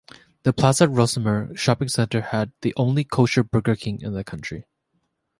The Plaza Rohrmoser shopping center had the only kosher "Burger King" in the country.